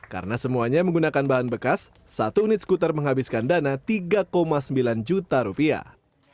karena semuanya menggunakan bahan bekas satu unit skuter menghabiskan dana tiga sembilan juta rupiah